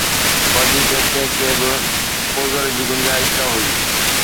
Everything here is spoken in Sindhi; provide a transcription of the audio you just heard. وڌيڪ ڪنهن به عذر جي گنجائش نه هئي.